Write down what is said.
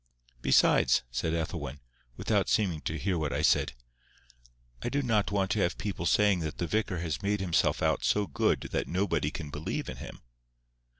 "Besides," said Ethelwyn, without seeming to hear what I said, "I do not want to have people saying that the vicar has made himself out so good that nobody can believe in him."